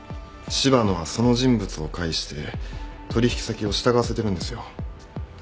柴野はその人物を介して取引先を従わせてるんですよ。